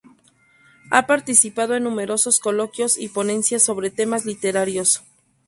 Ha participado en numerosos coloquios y ponencias sobre temas literarios.